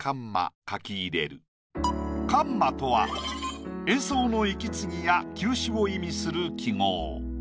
カンマとは演奏の息継ぎや休止を意味する記号。